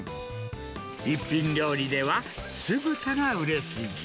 一品料理では酢豚が売れ筋。